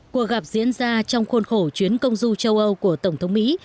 cuộc gặp diễn ra trong khuôn khổ chuyến công du châu âu của tổng thống mỹ